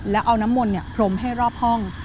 แล้วเอาน้ำมนต์พรมให้รอบห้อง